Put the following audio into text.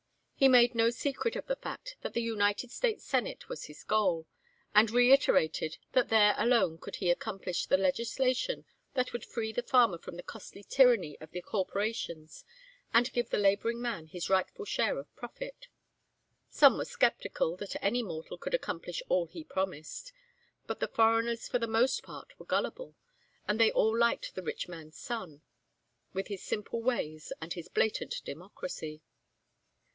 He made no secret of the fact that the United States Senate was his goal, and reiterated that there alone could he accomplish the legislation that would free the farmer from the costly tyranny of the corporations and give the laboring man his rightful share of profit. Some were skeptical that any mortal could accomplish all he promised, but the foreigners for the most part were gullible, and they all liked the rich man's son, with his simple ways and his blatant democracy.